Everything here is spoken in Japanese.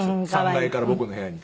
３階から僕の部屋に。